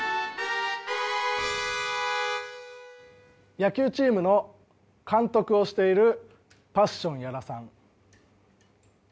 野球チームの監督をしているパッション屋良さん。